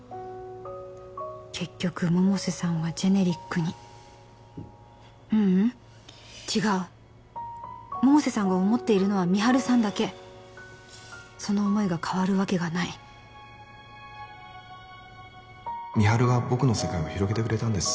結局百瀬さんはジェネリックにううん違う百瀬さんが思っているのは美晴さんだけその思いが変わるわけがない美晴が僕の世界を広げてくれたんです